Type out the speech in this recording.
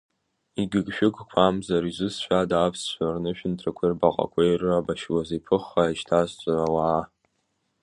Игыгшәыгқәамзар изусҭцәада аԥсцәа рнышәынҭрақәеи рбаҟақәеи ирабашьуаз, иԥыхха ишьҭазҵо ауаа?